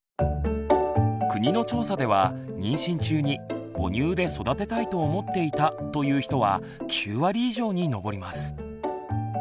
国の調査では妊娠中に「母乳で育てたいと思っていた」という人は９割以上にのぼります。